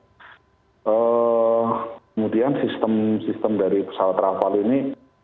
kemudian sistem sistem dari pesawat travel ini